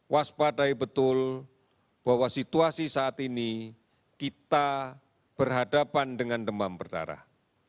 waspadai betul bahwa situasi saat ini kita berhadapan dengan demam berdarah